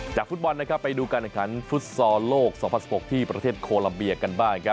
จากฟุตบอลไปดูกันฟุตซอร์โลก๒๐๑๖ที่ประเทศโคลัมเบียกันบ้าง